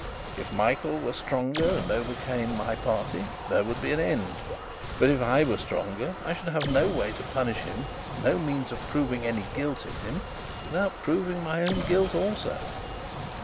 If Michael were stronger and overcame my party, there would be an end. But if I were stronger, I should have no way to punish him, no means of proving any guilt in him without proving my own guilt also.